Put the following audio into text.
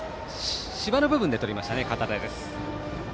芝の部分でとりました、堅田。